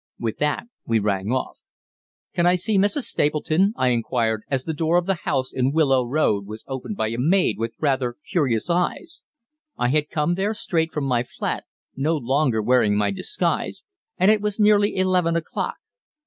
With that we rang off. "Can I see Mrs. Stapleton?" I inquired, as the door of the house in Willow Road was opened by a maid with rather curious eyes; I had come there straight from my flat, no longer wearing my disguise, and it was nearly eleven o'clock.